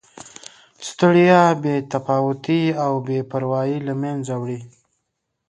ستړیا، بې تفاوتي او بې پروایي له مینځه وړي.